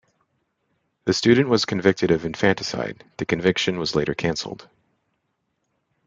The student was convictied of infanticide, the conviction was later cancelled.